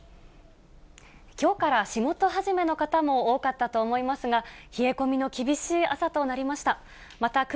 きょうから仕事始めの方も多かったと思いますが、冷え込みの厳しい朝となりました。